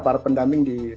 para pendamping di